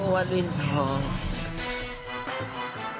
วันวิทยาลัยศาสตร์